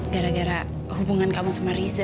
gara gara hubungan kamu sama riza